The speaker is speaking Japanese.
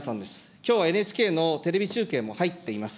きょうはＮＨＫのテレビ中継も入っています。